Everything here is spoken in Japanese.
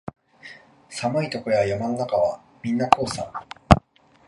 寒いとこや山の中はみんなこうさ